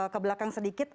ke belakang sedikit